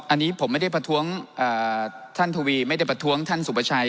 อันนี้ผมไม่ได้ประท้วงท่านทวีไม่ได้ประท้วงท่านสุประชัย